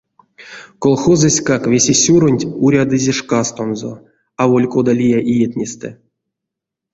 Колхозоськак весе сюронть урядызе шкастонзо, аволь кода лия иетнестэ.